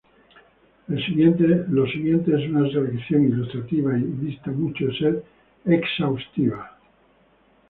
El siguiente es una selección ilustrativa y dista mucho de ser exhaustiva.